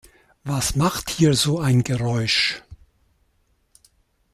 Was macht hier so ein Geräusch?